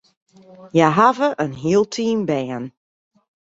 Hja hawwe in hiel team bern.